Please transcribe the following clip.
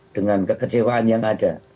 dengan kekecewaan yang ada